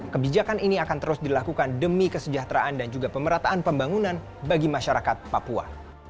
kebijakan ini akan terus dilakukan demi kesejahteraan dan juga pemerataan pembangunan bagi masyarakat papua